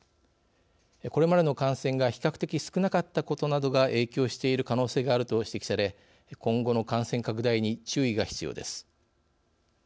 これまでの感染が比較的少なかったことなどが影響している可能性があると指摘され今後の感染拡大に注意が必要です。